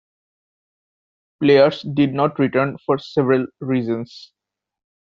Players did not return for several reasons.